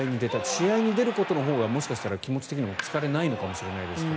試合に出ることのほうがもしかしたら気持ち的にも疲れがないのかもしれないですが。